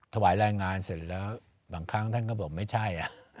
ถวายแรงงานเสร็จแล้วบางครั้งท่านก็บอกไม่ใช่